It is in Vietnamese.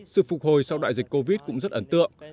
sự phục hồi sau đại dịch covid cũng rất ấn tượng